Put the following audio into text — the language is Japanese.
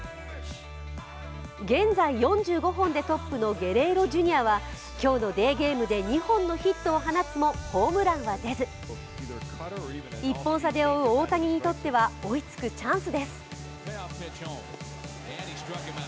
現在、４５本でトップのゲレーロ・ジュニアは今日のデーゲームで２本のヒットを放つも、ホームランは出ず１本差で追う大谷にとっては追いつくチャンスです。